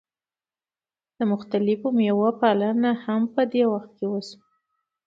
د مختلفو میوو پالنه هم په دې وخت کې وشوه.